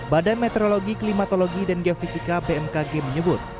badan meteorologi klimatologi dan geofisika bmkg menyebut